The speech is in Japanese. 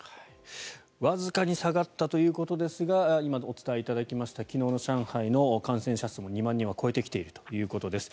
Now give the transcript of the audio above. わずかに下がったということですが今お伝えいただきました昨日の上海の感染者数は２万人を超えてきているということです。